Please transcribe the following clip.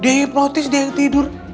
dia hipnotis dia yang tidur